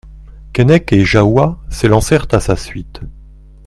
Keinec et Jahoua s'élancèrent à sa suite.